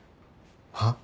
はっ？